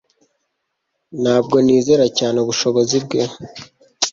Ntabwo nizera cyane ubushobozi bwe